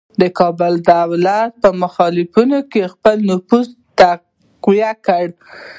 د کابل دولت په مخالفانو کې خپل نفوذ تقویه کړ.